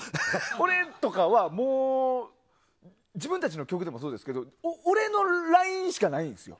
俺とかは自分たちの曲でもそうですけど俺のラインしかないんですよ